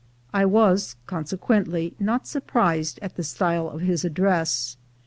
I was, consequently, not surprised at the style of his address.